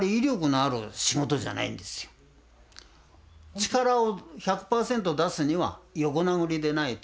力を１００％出すには横殴りでないと。